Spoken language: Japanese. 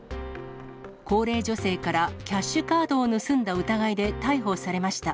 高齢女性からキャッシュカードを盗んだ疑いで逮捕されました。